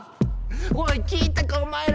おい聞いたかお前ら！